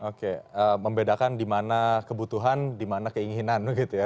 oke membedakan di mana kebutuhan di mana keinginan gitu ya